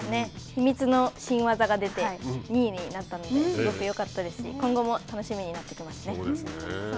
秘密の新技が出て２位になったのですごくよかったですし今後も楽しみになってきますね。